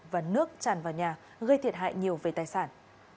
và nước tràn vào nhà gây thiệt hại nhiều về tài sản